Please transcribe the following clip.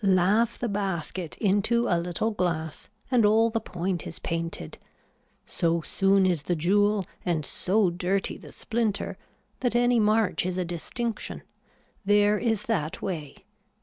Laugh the basket into a little glass and all the point is painted. So soon is the jewel and so dirty the splinter that any march is a distinction. There is that way.